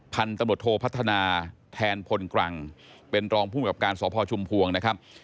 พันธุ์ตำรวจโทพัฒนาแทนพลกรังเป็นรองภูมิกับการสพชุมพวงนะครับ